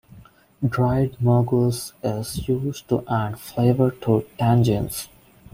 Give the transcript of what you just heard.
Dried merguez is used to add flavor to tagines.